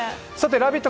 「ラヴィット！」